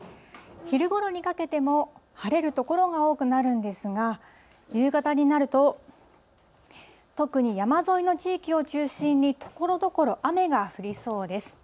昼ごろにかけても晴れる所が多くなるんですが、夕方になると、特に山沿いの地域を中心にところどころ雨が降りそうです。